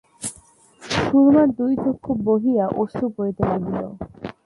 সুরমার দুই চক্ষু বহিয়া অশ্রু পড়িতে লাগল।